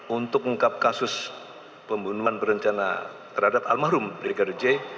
untuk mengungkap kasus pembunuhan berencana terhadap almarhum brigadir j